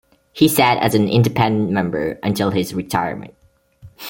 He sat as an Independent member until his retirement.